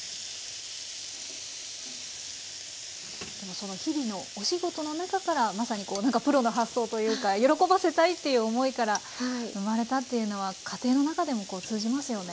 その日々のお仕事の中からまさにこうなんかプロの発想というか喜ばせたいっていう思いから生まれたっていうのは家庭の中でもこう通じますよね。